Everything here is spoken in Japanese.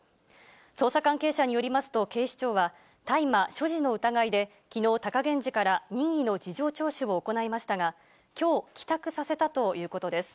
捜査関係者によりますと、警視庁は、大麻所持の疑いで、きのう、貴源治から任意の事情聴取を行いましたが、きょう、帰宅させたということです。